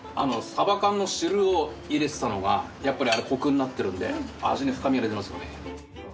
鯖缶の汁を入れてたのがやっぱりあれコクになってるんで味に深みが出てますよね。